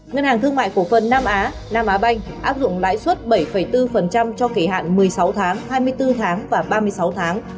ngân hàng thương mại cổ phần nam á nam á banh áp dụng lãi suất bảy bốn cho kỳ hạn một mươi sáu tháng hai mươi bốn tháng và ba mươi sáu tháng